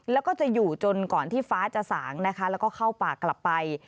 แล้วก็จะอยู่จนก่อนที่ฟ้าจะสางนะคะแล้วก็เข้าป่ากลับไป